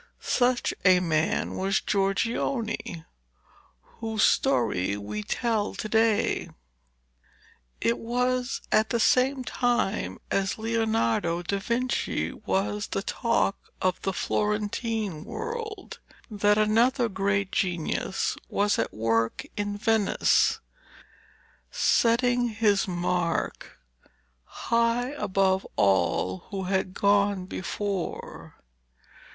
Such a man was Giorgione, whose story we tell to day. It was at the same time as Leonardo da Vinci was the talk of the Florentine world, that another great genius was at work in Venice, setting his mark high above all who had gone before.